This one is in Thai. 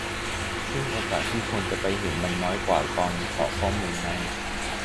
ซึ่งโอกาสที่คนจะไปเห็นมันน้อยกว่าตอนขอข้อมูลไง